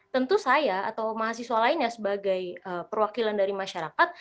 tentu saya atau mahasiswa lainnya sebagai perwakilan dari masyarakat